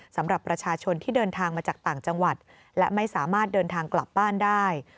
สำหรับประชาชนที่เดินทางมาจากต่างจังหวัดและไม่สามารถเดินทางกลับบ้านได้